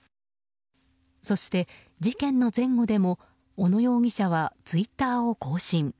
そして、事件の前後でも小野容疑者はツイッターを更新。